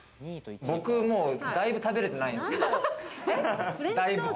僕もうだいぶ食べれてないんすよ。